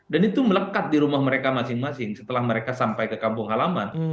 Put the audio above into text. dan itu melekat di rumah mereka masing masing setelah mereka sampai ke kampung halaman